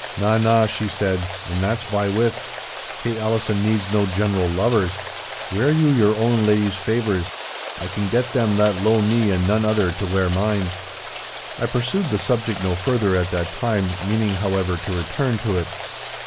'Na, na,' she said, 'and that's by with. Kate Allison needs no general lovers. Wear you your own lady's favours; I can get them that loe me and none other, to wear mine.' I pursued the subject no further at that time, meaning, however, to return to it.